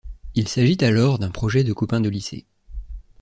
Il s'agit alors d'un projet de copains de lycée.